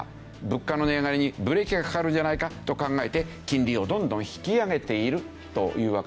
物価の値上がりにブレーキがかかるんじゃないかと考えて金利をどんどん引き上げているというわけです。